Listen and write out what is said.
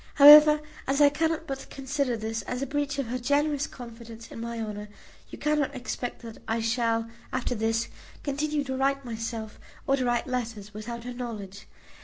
However, as I cannot but consider this as a breach of her generous confidence in my honour, you cannot expect that I shall, after this, continue to write myself or to receive letters, without her knowledge.